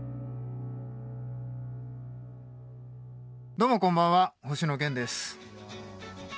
どうもこんばんは星野源です。